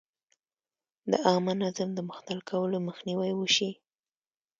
د عامه نظم د مختل کولو مخنیوی وشي.